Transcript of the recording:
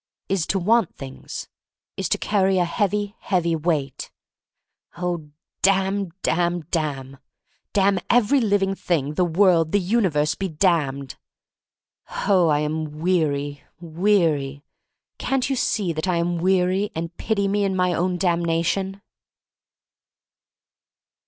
— is to want things, is to carry a heavy, heavy weight. Oh, damn! damn! damn! Damn THE STORY OF MARY MAC LANE 47 every living thing, the world! — the uni verse be damned! Oh, I am weary, weary! Can't you see that I am weary and pity me in my own damnation?